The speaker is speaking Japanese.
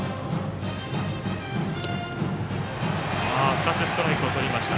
２つ、ストライクをとりました。